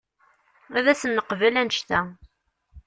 Ad as-neqbel annect-a.